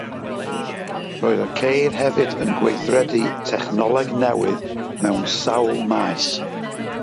Roedd y ceir hefyd yn gweithredu technoleg newydd mewn sawl maes.